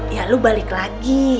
ya lu balik lagi